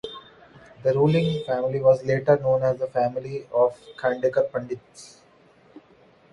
This ruling family was later known as the family of the Khandekar Pandits.